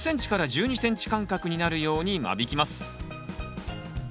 １０ｃｍ１２ｃｍ間隔になるように間引きます。